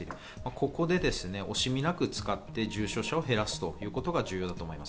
ここで惜しみなく使って重症者を減らすということが重要だと思います。